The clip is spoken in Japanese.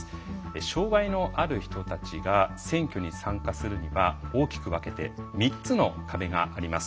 障害のある人たちが選挙に参加するには大きく分けて３つの壁があります。